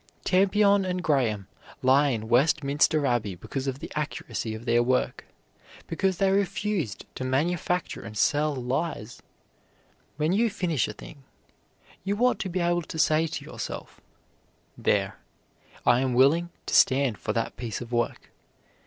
Tampion and Graham lie in Westminster Abbey because of the accuracy of their work because they refused to manufacture and sell lies. When you finish a thing you ought to be able to say to yourself: "There, I am willing to stand for that piece of work.